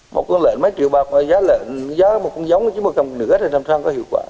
một con lợn mấy triệu bạc giá lợn giá một con giống chứ một cầm nửa thì làm sao có hiệu quả